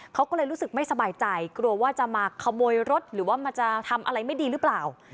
เขาก็เลยรู้สึกไม่สบายใจกลัวว่าจะมาขโมยรถหรือว่ามันจะทำอะไรไม่ดีหรือเปล่า